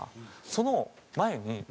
その前に。